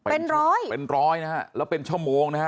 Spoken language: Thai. เป็นร้อยเป็นร้อยนะฮะแล้วเป็นชั่วโมงนะฮะ